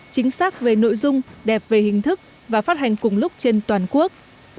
chính xác về nội dung đẹp về hình thức và phát hành cùng lúc trên toàn quốc